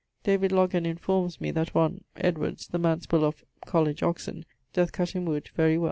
Loggan informes me that one ... Edwards, the manciple of ... College Oxon, doth cut in wood very well.